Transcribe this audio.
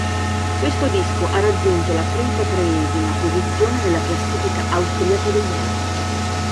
Questo disco ha raggiunto la trentatreesima posizione nella classifica austriaca degli album.